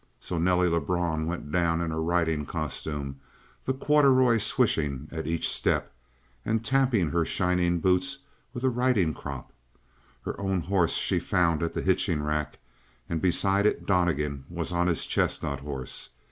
So Nelly Lebrun went down in her riding costume, the corduroy swishing at each step, and tapping her shining boots with the riding crop. Her own horse she found at the hitching rack, and beside it Donnegan was on his chestnut horse.